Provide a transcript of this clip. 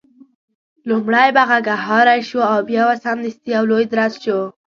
لومړی به غږهارۍ شو او بیا به سمدستي یو لوی درز شو.